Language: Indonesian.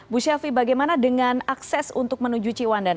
bu syafi bagaimana dengan akses untuk menuju ciwandan